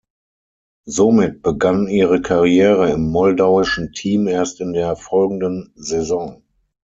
Somit begann ihre Karriere im moldauischen Team erst in der folgenden Saison.